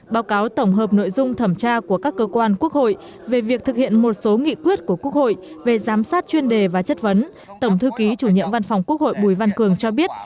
báo cáo tổng hợp nội dung thẩm tra của các cơ quan quốc hội về việc thực hiện một số nghị quyết của quốc hội về giám sát chuyên đề và chất vấn tổng thư ký chủ nhiệm văn phòng quốc hội bùi văn cường cho biết